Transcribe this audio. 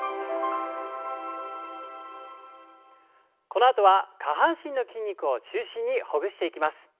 このあとは下半身の筋肉を中心にほぐしていきます。